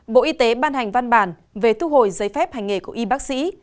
bộ y tế ban hành văn bản về thu hồi giấy phép hành nghề của y bác sĩ